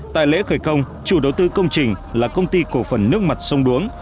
tại lễ khởi công chủ đầu tư công trình là công ty cổ phần nước mặt sông đuống